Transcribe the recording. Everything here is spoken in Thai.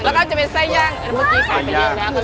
แล้วก็จะเป็นไส้ย่างน้ำตีขายเป็นย่างนะครับ